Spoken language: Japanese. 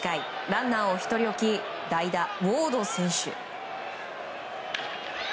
ランナーを１人置き代打ウォード選手。